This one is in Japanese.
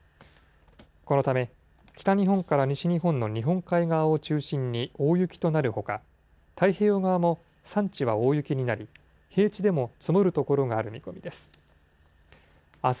このため、北日本から西日本の日本海側を中心に大雪となるほか、太平洋側も山地は大雪になり、平地でも積もる所がある見込みです。